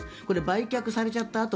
これ、売却されちゃった